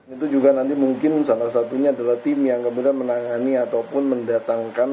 itu juga nanti mungkin salah satunya adalah tim yang kemudian menangani ataupun mendatangkan